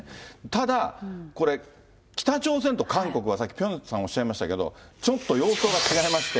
ただ、これ、北朝鮮と韓国は、さっきピョンさんおっしゃいましたけど、ちょっと様相が違いまして。